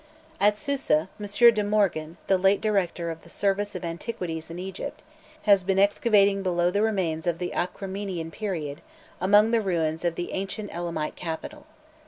At Susa, M. de Morgan, the late director of the Service of Antiquities in Egypt, has been excavating below the remains of the Achremenian period, among the ruins of the ancient Elamite capital.